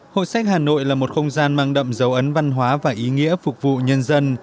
hội sách hà nội là một không gian mang đậm dấu ấn văn hóa và ý nghĩa phục vụ nhân dân